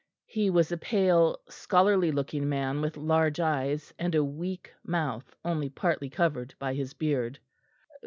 He was a pale scholarly looking man with large eyes, and a weak mouth only partly covered by his beard.